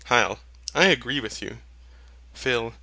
HYL. I agree with you. PHIL.